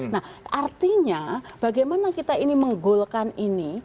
nah artinya bagaimana kita ini menggolkan ini